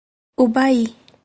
Ubaí